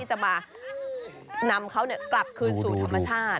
จะมานำเขากลับคืนสู่ธรรมชาติ